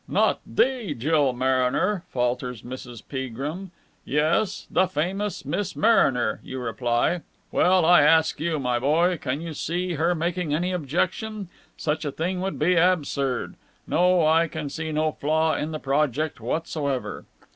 'Not the Jill Mariner?' falters Mrs. Peagrim. 'Yes, the famous Miss Mariner!' you reply. Well, I ask you, my boy, can you see her making any objection? Such a thing would be absurd. No, I can see no flaw in the project whatsoever."